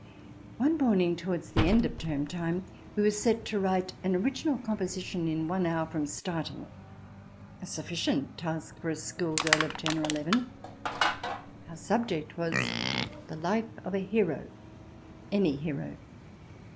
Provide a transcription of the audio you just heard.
One morning towards the end of term time we were set to write an original composition in one hour from starting — a sufficient task for a schoolgirl of ten or eleven. Our subject was the life of a hero — any hero.